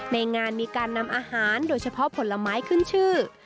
ในงานมีการนำอาหารโดยเฉพาะผลไม้ขึ้นชื่อ